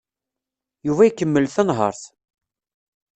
Yuba ikemmel tanhaṛt.